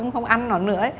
không ăn nó nữa